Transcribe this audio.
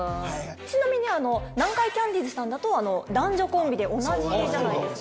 ちなみに南海キャンディーズさんだと男女コンビで同じじゃないですか。